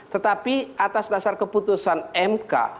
tetapi atas dasar keputusan mk